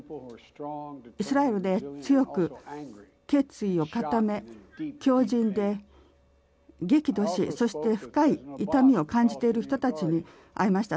イスラエルで強く決意を固め強じんで激怒しそして深い痛みを感じている人たちに会いました。